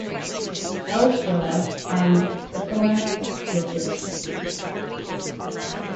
Elsewhere", and "The Philanthropist".